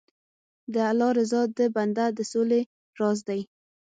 د الله رضا د بنده د سولې راز دی.